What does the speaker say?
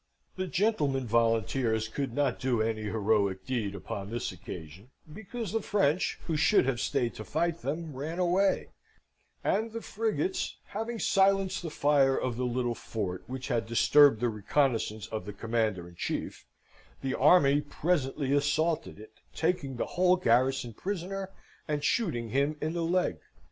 The gentlemen volunteers could not do any heroic deed upon this occasion, because the French, who should have stayed to fight them, ran away, and the frigates having silenced the fire of the little fort which had disturbed the reconnaissance of the Commander in Chief, the army presently assaulted it, taking the whole garrison prisoner, and shooting him in the leg.